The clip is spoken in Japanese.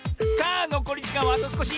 あのこりじかんはあとすこし！